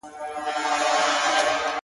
هم داسي ستا دا گل ورين مخ.